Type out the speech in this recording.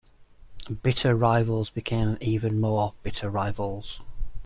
Bitter rivals became even more bitter rivals.